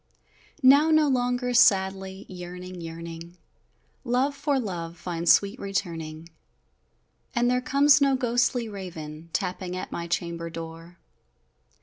Now no longer sadly yearning yearning Love for love finds sweet returning And there comes no ghostly raven, Tapping at my chamber door!